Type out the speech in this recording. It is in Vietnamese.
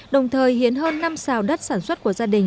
đồng thời hiến hơn năm xào đất sản xuất của gia đình